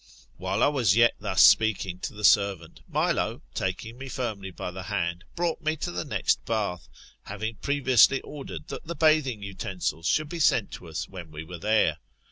While I was yet thus speaking to the servant, Milo, taking me firmly by the hand, brought me to the next bath, having previously ordered that the bathing utensils should be sent to us when we were there.